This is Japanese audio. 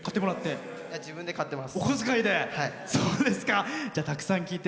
自分で買ってます。